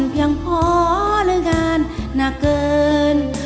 เพียงพอเรื่องงานหนักเกิน